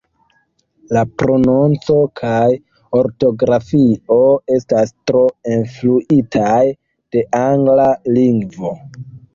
La prononco kaj ortografio estas tro influitaj de angla lingvo.